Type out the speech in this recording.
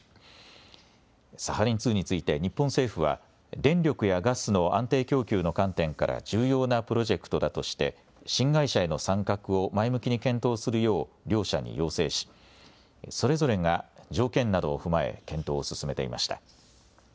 サハリン２について日本政府は、電力やガスの安定供給の観点から重要なプロジェクトだとして、新会社への参画を前向きに検討するよう、両社に要請し、それぞれが条件などを踏まえ、検討を進めていました。